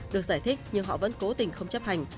được giải thích nhưng họ vẫn cố tình không chấp hành